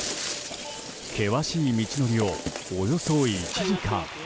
険しい道のりをおよそ１時間。